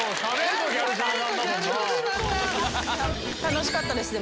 楽しかったです